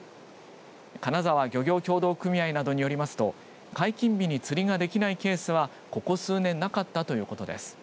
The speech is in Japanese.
金沢漁業協同組合などによりますと解禁日に釣りができないケースはここ数年なかったということです。